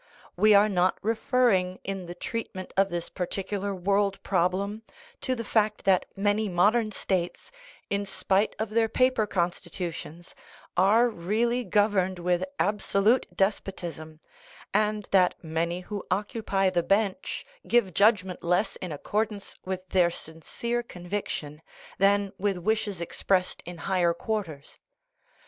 We are not referring in the treatment of this particular " world problem " to the fact that many modern states, in spite of their paper constitu tions, are really governed with absolute despotism, and that many who occupy the bench give judgment less in accordance with their sincere conviction than with wishes expressed in higher quarters.